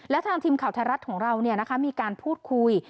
และทางทีมข่าวไทยรัฐของเรามีการพูดคุย